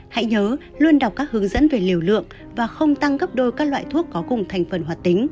hãy nhớ luôn đọc các hướng dẫn về liều lượng và không tăng gấp đôi các loại thuốc có cùng thành phần hoạt tính